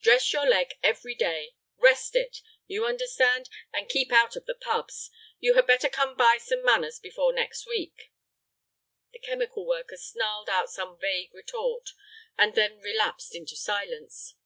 Dress your leg every day. Rest it, you understand, and keep out of the pubs. You had better come by some manners before next week." The chemical worker snarled out some vague retort, and then relapsed into silence.